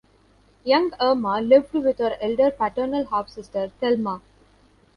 Young Erma lived with her elder paternal half-sister, Thelma.